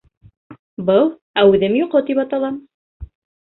Был «әүҙем йоҡо» тип атала.